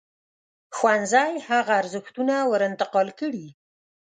ښوونځی هغه ارزښتونه ور انتقال کړي.